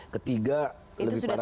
ketiga lebih parah lagi